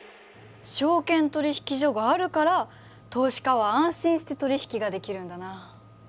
証券取引所があるから投資家は安心して取引ができるんだな。